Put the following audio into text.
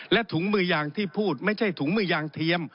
และถุงมือยางที่พูดไม่ใช่ถุงมือยางเทียม